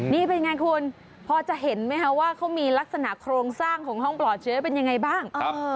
นี่เป็นไงคุณพอจะเห็นไหมคะว่าเขามีลักษณะโครงสร้างของห้องปลอดเชื้อเป็นยังไงบ้าง